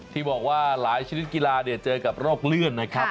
ที่บอกว่าหลายชนิดกีฬาเจอกับโรคเลื่อนนะครับ